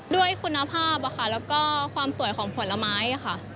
ด้วยคุณภาพแล้วก็ความสวยของผลไม้ค่ะ